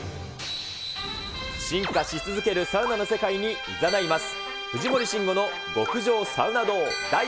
進化し続けるサウナの世界に誘います。